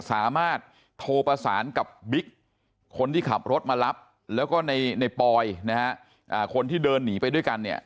สามารถโทรประสานกับบิ๊กคนที่ขับรถมารับแล้วก็ในปอยนะฮะคนที่เดินหนีไปด้วยกันเนี่ย